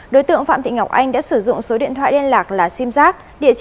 đối tượng phạm thị ngọc anh đã sử dụng số điện thoại đen lạc là simzak